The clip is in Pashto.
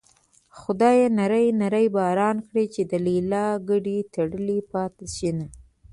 خدايه نری نری باران کړې چې د ليلا ګډې تړلې پاتې شينه